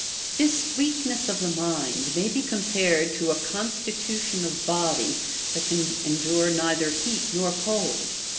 This weakness of the mind may be compared to a constitution of body that can endure neither heat nor cold.